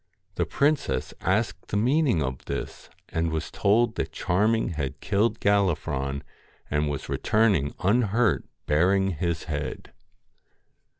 The princess asked the meaning of this, and was told that Charming had killed Gallifron, and was returned unhurt bearing his head.